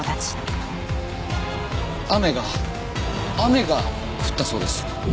雨が雨が降ったそうです。